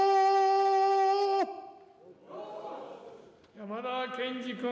山田賢司君。